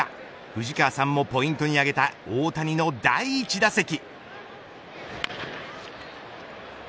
藤川さんもポイントに挙げた大谷の第１打席。